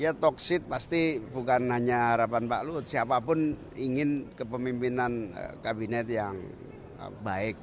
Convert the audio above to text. ya toksit pasti bukan hanya harapan pak luhut siapapun ingin kepemimpinan kabinet yang baik